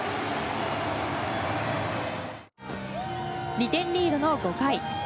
２点リードの５回。